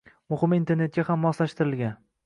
muhimi, internetga ham moslashtirilgan.